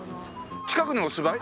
近くにお住まい？